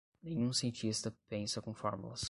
Nenhum cientista pensa com fórmulas.